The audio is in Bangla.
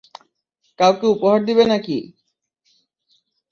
কাউকে উপহার দিবে নাকি?